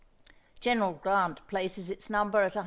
General Grant places its number at 120,000.